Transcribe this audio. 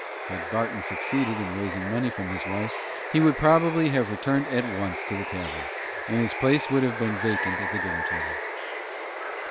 Had Barton succeeded in raising money from his wife, he would probably have returned at once to the tavern, and his place would have been vacant at the dinner table.